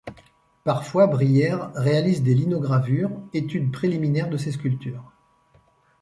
Parfois, Brierre réalise des linogravures, études préliminaires de ses sculptures.